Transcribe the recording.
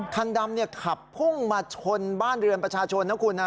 คันดำขับพุ่งมาชนบ้านเรือนประชาชนนะคุณนะ